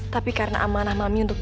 tapi karena amanah mampu hidup